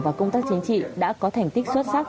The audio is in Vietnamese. và công tác chính trị đã có thành tích xuất sắc